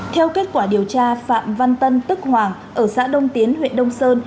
theo kết quả điều tra phạm văn tân tức hoàng ở xã đông tiến huyện đông sơn